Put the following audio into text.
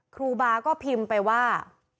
ครูบาก็พิมพ์ไปว่า